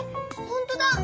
ほんとだ！